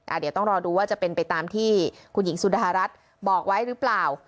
เดี๋ยวต้องรอดูว่าจะเป็นไปตามที่คุณหญิงสุดารัฐบอกไว้หรือเปล่า